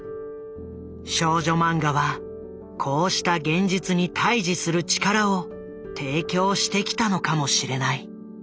少女マンガはこうした現実に対峙する力を提供してきたのかもしれない。